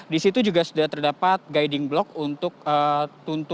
di situ juga sudah terdapat guiding block untuk